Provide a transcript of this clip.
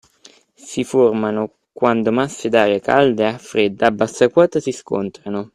Si formano quando masse d'aria calda e fredda a bassa quota si scontrano.